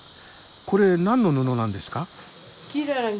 これ何の布なんですか？